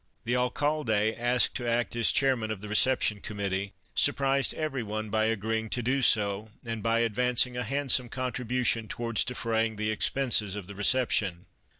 The Alcalde, asked to act as chairman c f the reception committee, sur prised every one by agreeing to do so and by ad vancing a handsome contribution towards defraying the expenses of the reception.